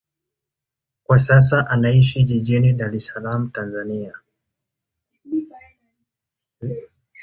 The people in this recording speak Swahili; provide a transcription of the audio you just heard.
Kwa sasa anaishi jijini Dar es Salaam, Tanzania.